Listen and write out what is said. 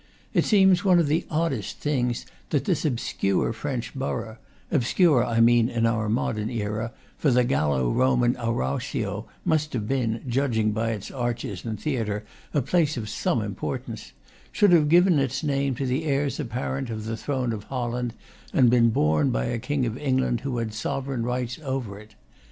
It seems one of the oddest things that this obscure French borough obscure, I mean, in our modern era, for the Gallo Roman Arausio must have been, judging it by its arches and theatre, a place of some importance should have given its name to the heirs apparent of the throne of Holland, and been borne by a king of England who had sovereign rights over it.